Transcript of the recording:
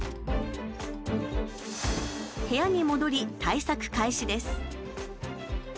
部屋に戻り、対策開始です。